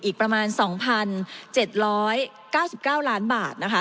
อีกประมาณ๒๗๙๙ล้านบาทนะคะ